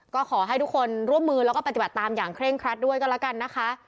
ก็ขอให้ทุกคนร่วมมือแล้วก็ปฏิบัติตามอย่างเคร่งครัดด้วยก็แล้วกันนะคะ